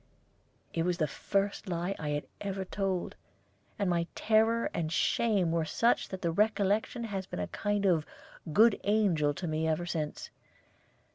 It was the first lie I had ever told, and my terror and shame were such that the recollection has been a kind of good angel to me ever since.